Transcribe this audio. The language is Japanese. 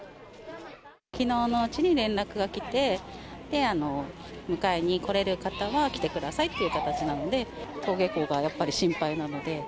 きのうのうちに連絡が来て、迎えに来れる方は来てくださいっていう形なんで、登下校がやっぱり心配なので。